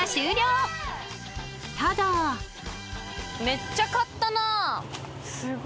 めっちゃ買ったな。